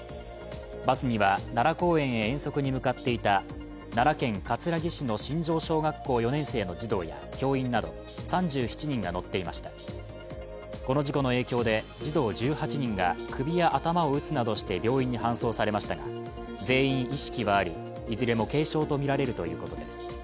バスには奈良公園へ遠足に向かっていた奈良県葛城市の新庄小学校４年生の児童や教員など、３７人が乗っていました、この事故の影響で児童１８人が首や頭を打つなどして病院に搬送されましたが全員意識はあり、いずれも軽傷とみられるということです。